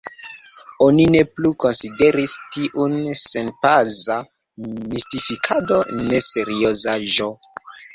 Oni ne plu konsideris tiun senbaza mistifikado, neseriozaĵo.